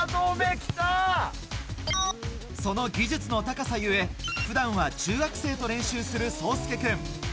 その技術の高さゆえ普段は中学生と練習する颯亮君。